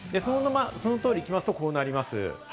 その通り行きますと、こうなります。